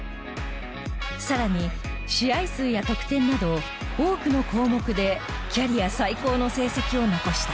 更に試合数や得点など多くの項目でキャリア最高の成績を残した。